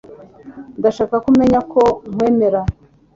Ndashaka ko umenya ko nkwemera.